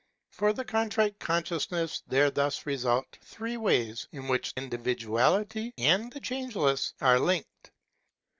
For the Contrite Consciousness there thus result three ways hi which individuality and the Changeless are linked.